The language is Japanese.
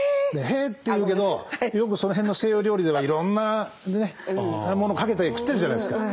へえっていうけどよくその辺の西洋料理ではいろんなものかけて食ってるじゃないですか。